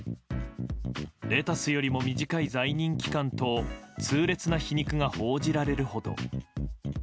レタスよりも短い在任期間と痛烈な皮肉が報じられるほど。